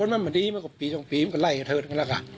อ่อนมั่นเหมือนแน่น